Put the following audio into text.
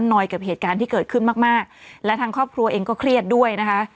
หน่อยกับเหตุการณ์ที่เกิดขึ้นมากมากและทางครอบครัวเองก็เครียดด้วยนะคะ